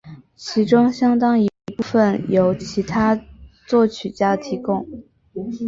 其中相当一部分由其他作曲家的提供。